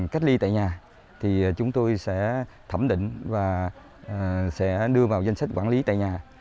cách ly tại nhà thì chúng tôi sẽ thẩm định và sẽ đưa vào danh sách quản lý tại nhà